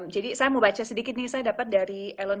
jadi saya mau baca sedikit nih saya dapat dari ellen kusuma di youtube